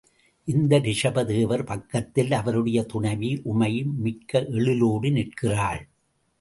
இந்த ரிஷப தேவர் பக்கத்தில் அவருடைய துணைவி உமையும் மிக்க எழிலோடு நிற்கிறாள்.